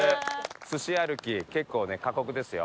すし歩き結構ね過酷ですよ。